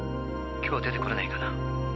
今日出てこれないかな？